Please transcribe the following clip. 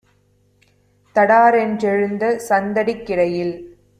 தடாரென் றெழுந்த சந்தடிக் கிடையில்